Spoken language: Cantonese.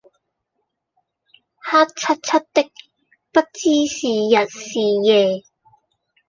黑漆漆的，不知是日是夜。